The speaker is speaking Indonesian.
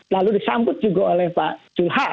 lalu disambut juga oleh pak julham